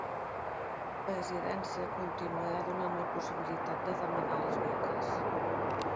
Presidència continuarà donant la possibilitat de demanar les beques